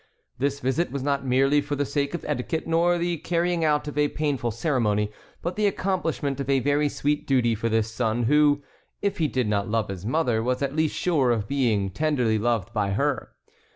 This visit was not merely for the sake of etiquette, nor the carrying out of a painful ceremony, but the accomplishment of a very sweet duty for this son who, if he did not love his mother, was at least sure of being tenderly loved by her.